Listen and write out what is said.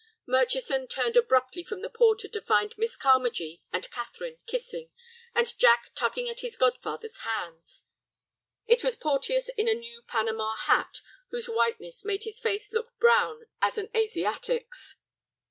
Murchison turned abruptly from the porter to find Miss Carmagee and Catherine kissing, and Jack tugging at his godfather's hands. It was Porteus in a new Panama hat, whose whiteness made his face look brown as an Asiatic's.